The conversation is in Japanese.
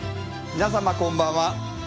皆様こんばんは。